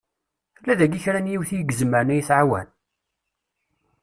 Tella daki kra n yiwet i izemren ad yi-tɛawen?